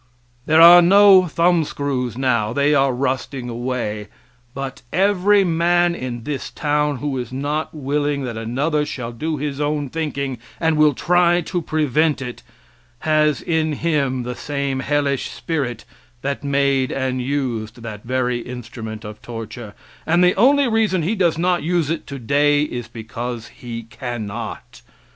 There are no thumbscrews now; they are rusting away; but every man in this town who is not willing that another shall do his own thinking and will try to prevent it, has in him the same hellish spirit that made and used that very instrument of torture, and the only reason he does not use it today is because he cannot.